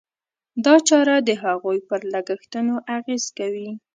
دا چاره د هغوی پر لګښتونو اغېز کوي.